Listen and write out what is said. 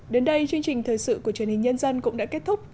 đến đây chương trình thời sự của truyền hình nhân dân cũng đã kết thúc